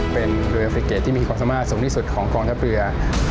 เป็นเรือเอฟริเกตที่มีความสามารถสูงที่สุดของกองทัพเรือ